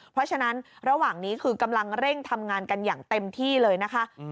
เพราะฉะนั้นระหว่างนี้คือกำลังเร่งทำงานกันอย่างเต็มที่เลยนะคะ